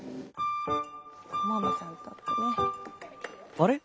あれ？